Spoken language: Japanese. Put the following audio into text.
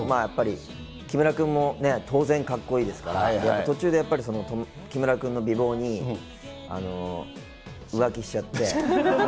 やっぱり木村君もね、当然、かっこいいですから、途中でやっぱり、木村君の美貌に浮気しちゃって。